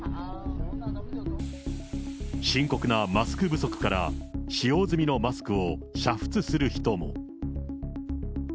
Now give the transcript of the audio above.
深刻なマスク不足から使用済みのマスクを煮沸する人も。